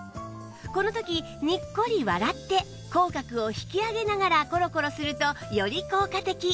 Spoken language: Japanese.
この時にっこり笑って口角を引き上げながらコロコロするとより効果的